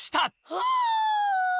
はあ！